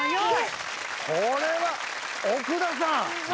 これは奥田さん